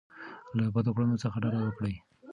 له بدو کړنو څخه ډډه وکړئ.